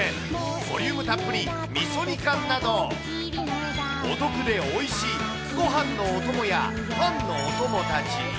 ボリュームたっぷりみそ煮缶など、お得でおいしいごはんのお供やパンのお供たち。